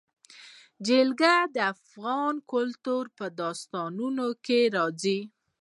جلګه د افغان کلتور په داستانونو کې راځي.